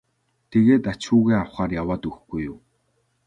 тэгээд ач хүүгээ авахаар яваад өгөхгүй юу.